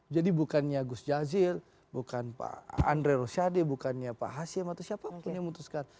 jadi bukannya gus jazil bukan pak andre rosyade bukannya pak hasim atau siapa pun yang memutuskan